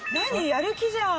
やる気じゃん。